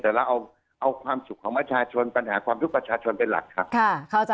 แต่เราเอาความสุขของประชาชนปัญหาความทุกข์ประชาชนเป็นหลักครับ